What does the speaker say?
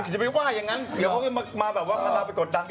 อย่าไปว่ายังงั้นเขาก็มาแบบพรรดาไปกดดัง